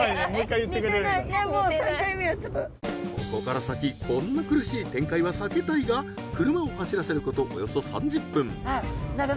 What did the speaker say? ここから先こんな苦しい展開は避けたいが車を走らせることおよそ３０分。